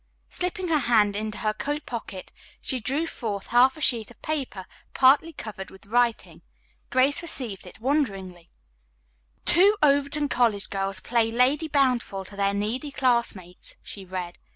Slipping her hand into her coat pocket she drew forth a half sheet of paper partly covered with writing. Grace received it wonderingly: "Two Overton College Girls Play Lady Bountiful to Their Needy Classmates," she read.